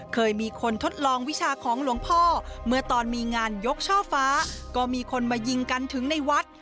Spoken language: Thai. เคยมีคนทดลองวิชาของหลวงพ่อเมื่อตอนมีงานยกช่อฟ้าก็มีคนมายิงกันถึงในวัด